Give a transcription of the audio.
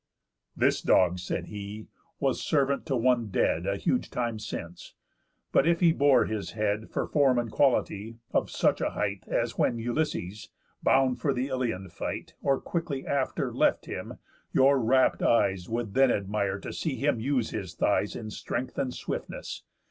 "This dog," said he, "was servant to one dead A huge time since. But if he bore his head, For form and quality, of such a height, As when Ulysses, bound for th' Ilion fight, Or quickly after, left him, your rapt eyes Would then admire to see him use his thighs In strength and swiftness.